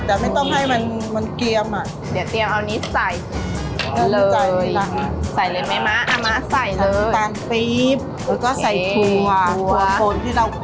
แล้วตอนนี้พิงแกง